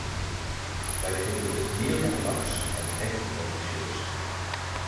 Wij vinden het meer dan laks en echt niet ambitieus.